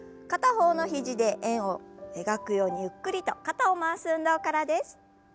片方の肘で円を描くようにゆっくりと肩を回す運動からです。